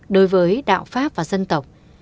đối với đạo pháp và dân tộc